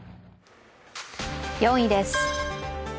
４位です。